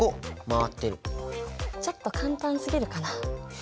ちょっと簡単すぎるかな？